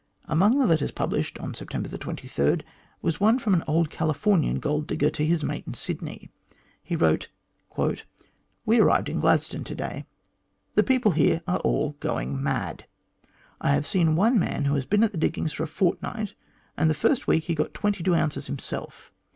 Amongst the letters published on September 23 was one from an old California!! gold digger to his " mate^' in Sydney. He wrote : "We arrived in Gladstone to day. The people here are all going mad. I have seen one man who has been at the diggings for a fortnight, and the first week he got twenty two ounces him self.